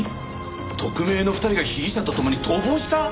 特命の２人が被疑者と共に逃亡した？